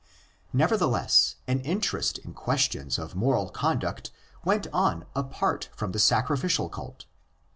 Nevertheless, an interest in questions of moral conduct went on apart from the sacrificial cult.